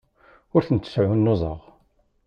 Ur tent-sɛunnuẓeɣ.